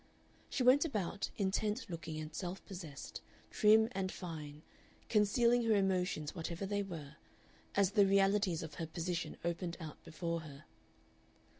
She went about, intent looking and self possessed, trim and fine, concealing her emotions whatever they were, as the realities of her position opened out before her.